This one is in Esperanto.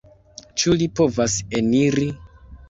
Ĉu li povas eniri?